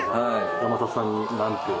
山里さんに何て。